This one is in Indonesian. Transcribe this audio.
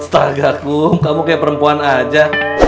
astaga kum kamu kayak perempuan aja